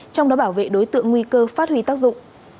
trong đó bảo vệ đối tượng nguy cơ phát huy tác dụng